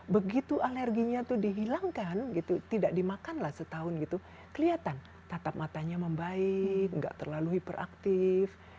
begitu alerginya itu dihilangkan tidak dimakanlah setahun kelihatan tatap matanya membaik tidak terlalu hiperaktif